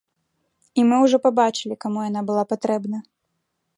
І мы ўжо пабачылі, каму яна была патрэбна.